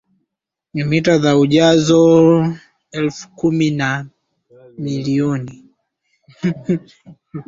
ni mita za ujazo elfu kumi na tano milioni